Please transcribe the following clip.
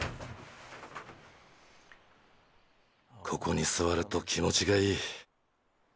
ここに座ると気持ちがいい。